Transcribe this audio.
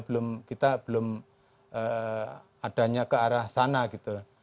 belum kita belum adanya ke arah sana gitu